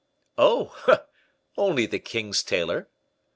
"Oh! only the king's tailor!"